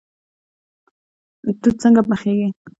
توت څنګه پخیږي؟